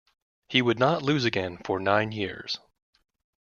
He would not lose again for nine years.